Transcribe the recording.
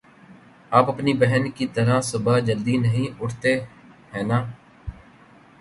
آپ اپنی بہن کی طرح صبح جلدی نہیں اٹھتے، ہے نا؟